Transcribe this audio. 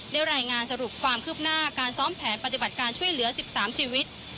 ได้รายงานสรุปความคืบหน้าการซ้อมแผนปฏิบัติการช่วยเหลือ๑๓ชีวิต